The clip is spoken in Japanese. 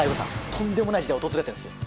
とんでもない時代訪れてるんですよ。